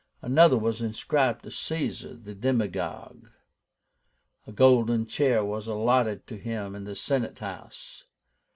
Another was inscribed to Caesar the Demigod. A golden chair was allotted to him in the Senate House.